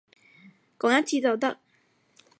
講一次就得